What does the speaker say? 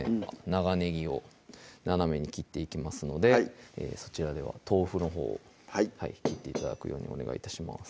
長ねぎを斜めに切っていきますのでそちらでは豆腐のほうを切って頂くようにお願い致します